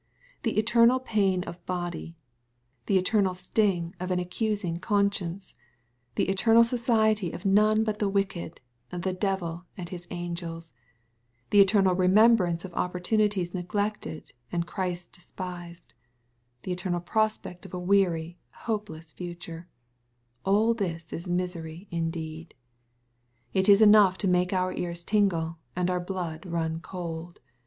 The eternal pain of body, — the eternal sting of an accus * ICATTHBW, CHAP. XXVI. 345 ingoonscience — the eternal society of none but the wicked, the devil and his angels — ^the eternal remembrance of opportunities neglected and Christ despised — the eternal prospect of a weary, hopeless future — all this is misery indeed. It is enough lo make our ears tingle, and our blood run cold.